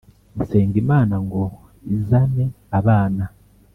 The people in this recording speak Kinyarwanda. Nsenga Imana ngo izame abana